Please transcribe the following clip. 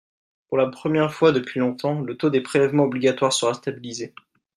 Pour la première fois depuis longtemps, le taux des prélèvements obligatoires sera stabilisé.